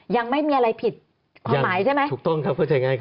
ยังไม่มีอะไรผิดความหมายใช่ไหมถูกต้องครับเข้าใจง่ายครับ